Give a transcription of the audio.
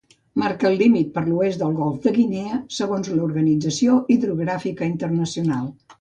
Marca el límit per l'oest del golf de Guinea, segons l'Organització Hidrogràfica Internacional.